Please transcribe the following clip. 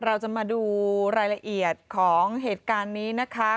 เราจะมาดูรายละเอียดของเหตุการณ์นี้นะคะ